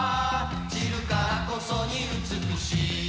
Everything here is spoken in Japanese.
「散るからこそに美しい」